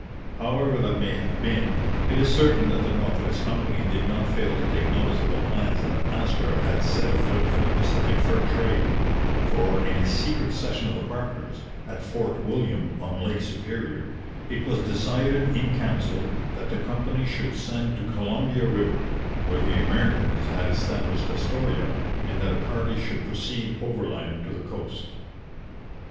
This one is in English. However that may have been, it is certain that the North West Company did not fail to take notice of the plans that Astor had set afoot for the Pacific fur trade; for in a secret session of the partners, at Fort William on Lake Superior, '_it was decided in council that the Company should send to Columbia River, where the Americans had established Astoria, and that a party should proceed overland to the coast_.'